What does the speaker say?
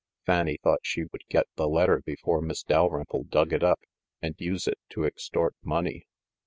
Fanny thought she would get the letter before Miss Dalrymple dug it up, and use it to extort money.